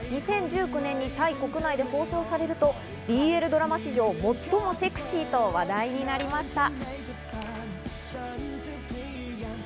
２０１９年にタイ国内で放送されるとＢＬドラマ史上、最もセクシーと話題を呼びました。